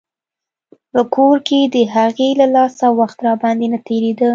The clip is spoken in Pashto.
په کور کښې د هغې له لاسه وخت راباندې نه تېرېده.